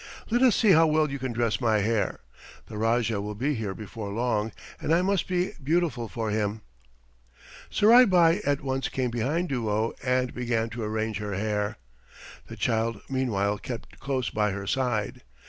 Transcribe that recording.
"Let us see how well you can dress my hair. The Rajah will be here before long, and I must be beautiful for him." Surai Bai at once came behind Duo and began to arrange her hair. The child meanwhile kept close by her side.